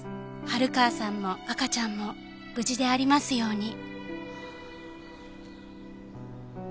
「春川さんも赤ちゃんも無事でありますように」